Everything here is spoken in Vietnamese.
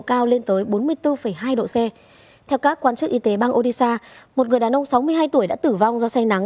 cao lên tới bốn mươi bốn hai độ c theo các quan chức y tế bang odisha một người đàn ông sáu mươi hai tuổi đã tử vong do say nắng